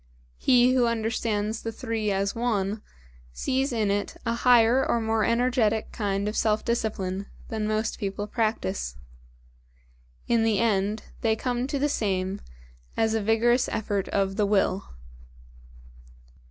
He who understands the three as one, sees in it a higher or more energetic kind of self discipline than most people practise. In the end they come to the same as a vigorous effort of the Will.